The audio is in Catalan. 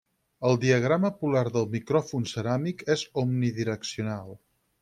El diagrama polar del micròfon ceràmic és omnidireccional.